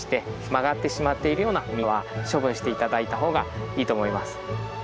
曲がってしまっているようなものは処分して頂いた方がいいと思います。